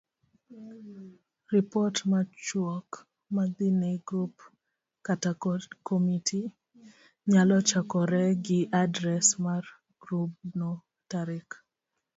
Ripot machuok madhi ne grup kata komiti nyalo chakore gi adres mar grubno, tarik